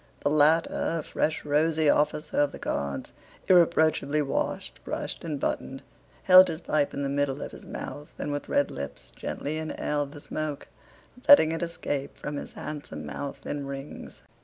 The latter, a fresh, rosy officer of the Guards, irreproachably washed, brushed, and buttoned, held his pipe in the middle of his mouth and with red lips gently inhaled the smoke, letting it escape from his handsome mouth in rings.